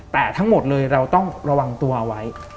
แต่ทั้งหมดเลยเราต้องระวังตัวไว้